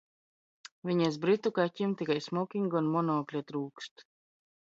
Viņas britu kaķim tikai smokinga un monokļa trūkst!